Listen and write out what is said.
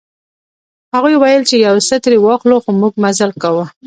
هغوی ویل چې یو څه ترې واخلو خو موږ مزل کاوه.